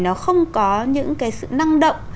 nó không có những cái sự năng động